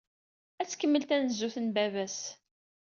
Ad tkemmel tanezzut n baba-s.